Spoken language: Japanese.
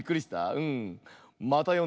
うん。